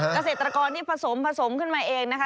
เกษตรกรที่ผสมผสมขึ้นมาเองนะคะ